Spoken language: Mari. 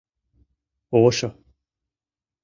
Ошо!..